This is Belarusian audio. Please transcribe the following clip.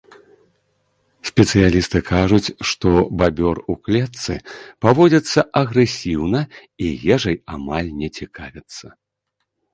Спецыялісты кажуць, што бабёр у клетцы паводзіцца агрэсіўна і ежай амаль не цікавіцца.